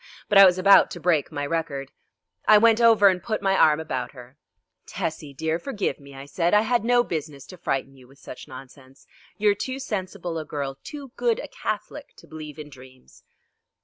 But I was about to break my record. I went over and put my arm about her. "Tessie dear, forgive me," I said; "I had no business to frighten you with such nonsense. You are too sensible a girl, too good a Catholic to believe in dreams."